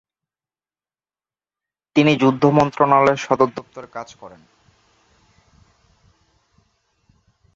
তিনি যুদ্ধ মন্ত্রণালয়ের সদরদপ্তরে কাজ করেন।